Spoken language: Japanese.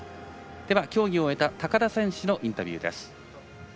では競技を終えた高田選手のインタビューです。